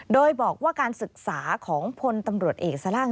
โดยบอกว่าการศึกษาของพลตำรวจเอกสล่าง